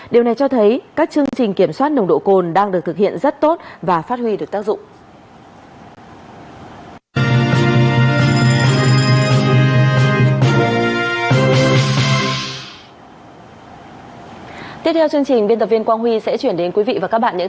điều này cho thấy các chương trình kiểm soát nồng độ cồn đang được thực hiện rất tốt và phát huy được tác dụng